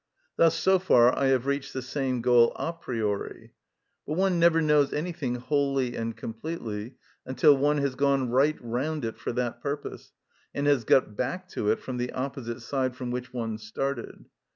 Thus so far I have reached the same goal a priori. But one never knows anything wholly and completely until one has gone right round it for that purpose, and has got back to it from the opposite side from which one started.